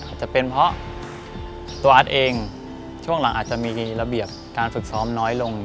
อาจจะเป็นเพราะตัวอาร์ตเองช่วงหลังอาจจะมีระเบียบการฝึกซ้อมน้อยลง